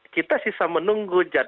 kita sisa menunggu jadwal